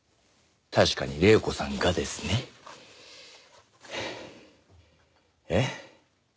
確かに黎子さんがですね。えっ？